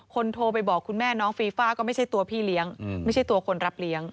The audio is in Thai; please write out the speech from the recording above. โทรไปบอกคุณแม่น้องฟีฟ่าก็ไม่ใช่ตัวพี่เลี้ยงไม่ใช่ตัวคนรับเลี้ยง